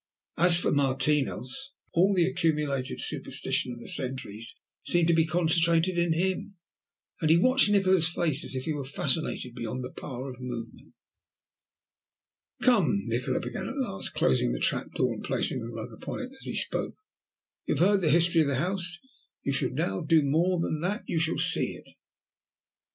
As for Martinos, all the accumulated superstition of the centuries seemed to be concentrated in him, and he watched Nikola's face as if he were fascinated beyond the power of movement. "Come," Nikola began at last, closing the trap door and placing the rug upon it as he spoke, "you have heard the history of the house. You shall now do more than that! You shall see it!"